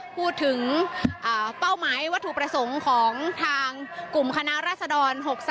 พูดถึงเป้าหมายวัตถุประสงค์ของทางกลุ่มคณะรัศดร๖๓